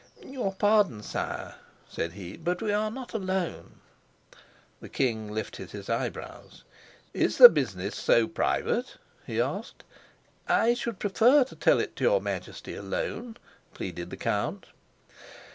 "Your pardon, sire," said he, "but we are not alone." The king lifted his eyebrows. "Is the business so private?" he asked. "I should prefer to tell it to your Majesty alone," pleaded the count.